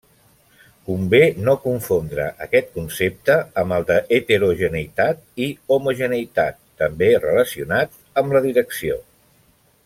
Convé no confondre aquest concepte amb el d'heterogeneïtat i homogeneïtat, també relacionats amb la direcció.